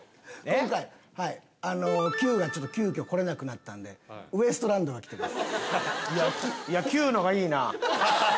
今回あのキュウが急きょ来られなくなったんでウエストランドが来てます。